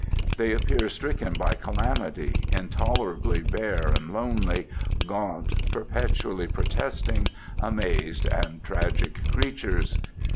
They appear stricken by calamity, intolerably bare and lonely, gaunt, perpetually protesting, amazed and tragic creatures.